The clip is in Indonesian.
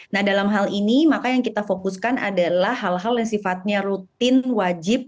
nah dalam hal ini maka yang kita fokuskan adalah hal hal yang sifatnya rutin wajib